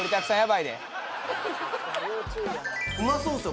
うまそうっすよ